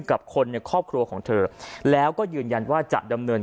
กับคนในครอบครัวของเธอแล้วก็ยืนยันว่าจะดำเนิน